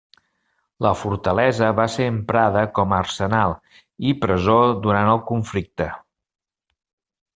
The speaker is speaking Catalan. La fortalesa va ser emprada com a arsenal i presó durant el conflicte.